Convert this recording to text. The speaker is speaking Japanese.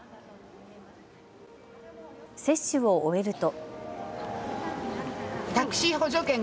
接種を終えると。